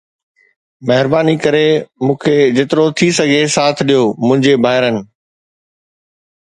مهرباني ڪري مون کي جيترو ٿي سگهي ساٿ ڏيو منهنجي ڀائرن